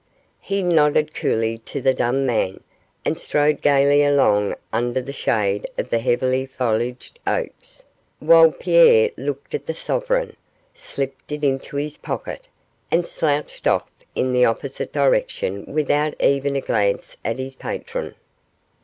He nodded coolly to the dumb man, and strode gaily along under the shade of the heavily foliaged oaks, while Pierre looked at the sovereign, slipped it into his pocket, and slouched off in the opposite direction without even a glance at his patron.